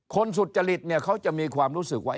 สุจริตเนี่ยเขาจะมีความรู้สึกว่า